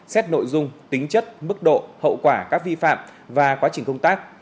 xét nội dung tính chất mức độ hậu quả các vi phạm và quá trình công tác